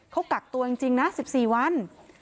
เขากักตัวจริงนะ๑๔วัน